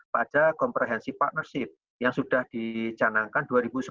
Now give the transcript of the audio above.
pada komprehensi partnership yang sudah dicanangkan dua ribu sepuluh